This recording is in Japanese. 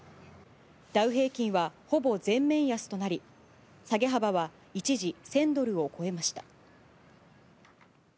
ダウ平均はほぼ全面安となり、下げ幅は一時１０００ドルを超えました。